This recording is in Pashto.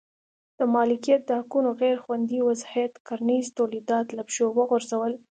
د مالکیت د حقونو غیر خوندي وضعیت کرنیز تولیدات له پښو وغورځول.